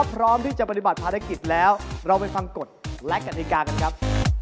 พร้อมที่จะปฏิบัติภารกิจแล้วเราไปฟังกฎและกฎิกากันครับ